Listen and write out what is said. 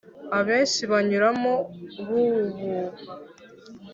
abenshi banyuramo bububa